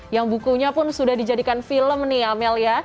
yang bukunya pun sudah dijadikan film nih amel ya